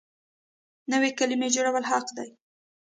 نوې کلمې جوړول حق دی.